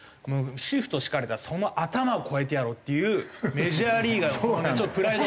シフト敷かれたらその頭を越えてやろうっていうメジャーリーガーのちょっとプライドが。